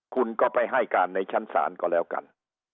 คุณก็ไปให้การในชั้นศาลก็แล้วกัน